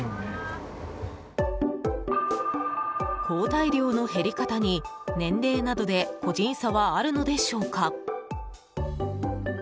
抗体量の減り方に、年齢などで個人差はあるのでしょうか？